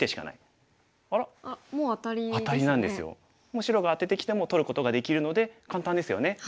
もう白がアテてきても取ることができるので簡単ですよね。